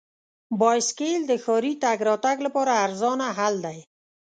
بایسکل د ښاري تګ راتګ لپاره ارزانه حل دی.